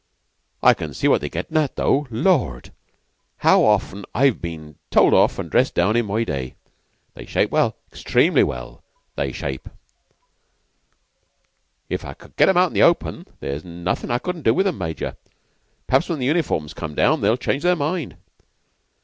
I can see what they're gettin' at, though. Lord! how often I've been told off an' dressed down in my day! They shape well extremely well they shape." "If I could get 'em out into the open, there's nothing I couldn't do with 'em, Major. Perhaps when the uniforms come down, they'll change their mind."